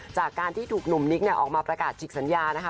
จากการที่ถูกหนุ่มนิกออกมาประกาศจิกสัญญานะคะ